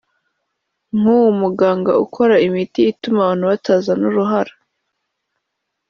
nk’uwumuganga ukora imiti ituma abantu batazana uruhara